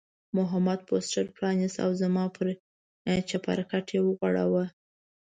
محمود پوسټر پرانیست او زما پر چپرکټ یې وغوړاوه.